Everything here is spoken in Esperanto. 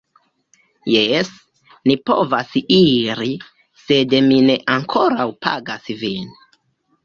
Jes, ni povas iri, sed mi ne ankoraŭ pagas vin